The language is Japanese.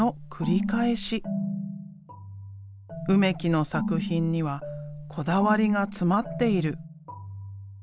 梅木の作品にはこだわりが詰まっている。